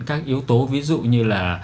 các yếu tố ví dụ như là